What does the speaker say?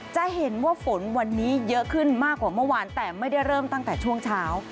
จะเห็นว่าฝนวันนี้เยอะขึ้นมากกว่าเมื่อวานแต่ไม่ได้เริ่มตั้งแต่ช่วงเช้า